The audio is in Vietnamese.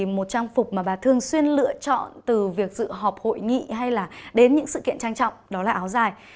một trang phục mà bà thường xuyên lựa chọn từ việc dự họp hội nghị hay là đến những sự kiện trang trọng đó là áo dài